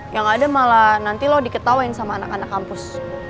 yang ada malah nanti loh diketawain sama anak anak kampus